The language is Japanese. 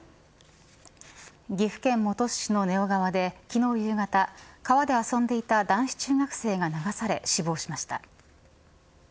岐阜県本巣市の根尾川で昨日夕方川で遊んでいた男子中学生が流され死亡しました。